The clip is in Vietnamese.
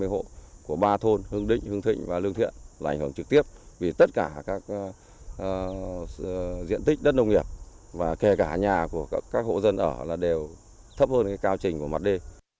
một mươi hộ của ba thôn hương định hương thịnh và lương thiện là ảnh hưởng trực tiếp vì tất cả các diện tích đất nông nghiệp và kể cả nhà của các hộ dân ở là đều thấp hơn cao trình của mặt đê